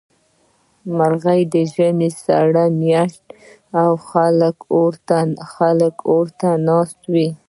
مرغومی د ژمي سړه میاشت ده، او خلک اور ته ناست وي.